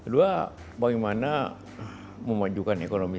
bagaimana memajukan ekonomi